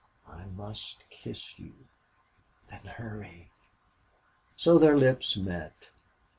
"I must kiss you!" "Then hurry!" So their lips met.